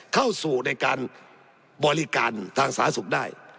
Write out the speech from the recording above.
เข้าสู่ในการบริการทางสาธารณสุขได้